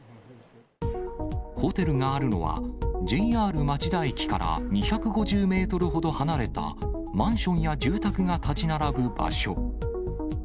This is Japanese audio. ホテルがあるのは、ＪＲ町田駅から２５０メートルほど離れたマンションや住宅が建ち並ぶ場所。